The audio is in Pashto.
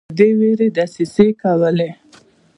ورور یې له دې وېرې دسیسې کولې.